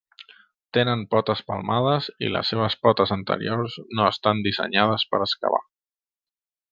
Tenen potes palmades i les seves potes anteriors no estan dissenyades per excavar.